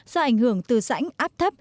do ảnh hưởng từ sảnh áp